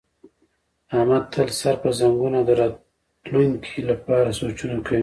احمد تل سر په زنګون او د راتونکي لپاره سوچونه کوي.